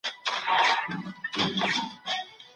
د کباب پخونکي د سکروټو تودوخه د خپل مخ د ژغورلو لپاره کاروله.